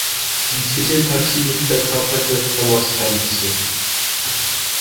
Die Titelpartie verkörperte Thomas Hampson.